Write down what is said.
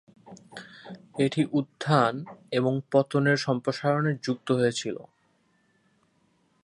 এটি উত্থান এবং পতনের সম্প্রসারণে যুক্ত হয়েছিল।